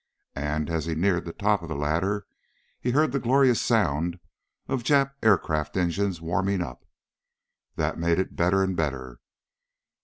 And as he neared the top of the ladder he heard the glorious sound of Jap aircraft engines warming up. That made it better and better.